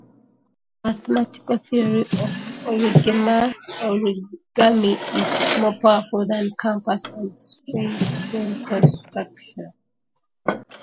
The mathematical theory of origami is more powerful than compass and straightedge construction.